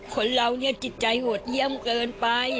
คนเราเนี่ยจิตใจโหดเยี่ยมเกินไป